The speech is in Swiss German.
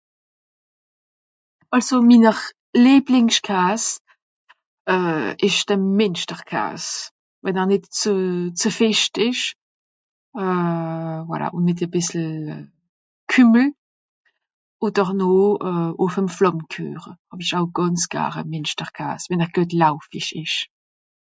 àlso minner lebliengs kaas euh esch de mìnsterkaas wenn ar nìt zue zue fìscht esch euh voila ùn mìt à bìssel kummìn oder nò ùff'm flàmmekueche hàw'isch aw gànz gare mìnsterkaas wann er geut laufìsch esch